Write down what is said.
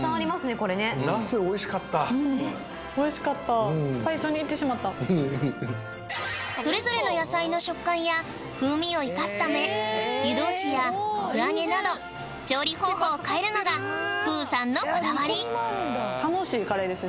これね最初にいってしまったそれぞれの野菜の食感や風味を生かすため湯通しや素揚げなど調理方法を変えるのがプーさんのこだわり楽しいカレーですね